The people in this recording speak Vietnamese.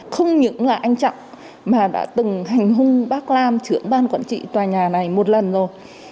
không những là anh trọng mà đã từng hành hung bác lam trưởng ban quản trị tòa nhà này một lần rồi